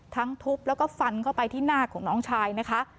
ทุบแล้วก็ฟันเข้าไปที่หน้าของน้องชายนะคะ